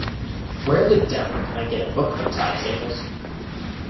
Where the devil can I get a book of tide tables?